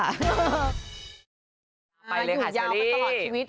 ไปเลยค่ะเซรี่อยู่ยาวกันตลอดชีวิต